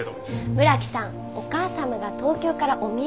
村木さんお母様が東京からお見えになってるんです。